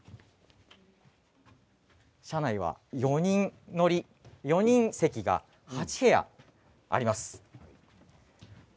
車内は４人席が８部屋あります。